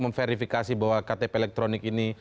memverifikasi bahwa ktp elektronik ini